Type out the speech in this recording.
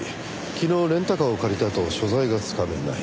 昨日レンタカーを借りたあと所在がつかめない。